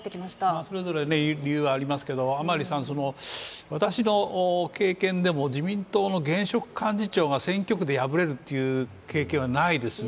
それぞれ理由はありますけど甘利さん、私の経験でも自民党の現職幹事長が選挙区で敗れるという経験はないですね。